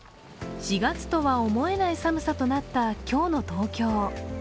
４月とは思えない寒さとなった今日の東京。